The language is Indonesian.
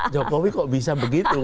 jokowi kok bisa begitu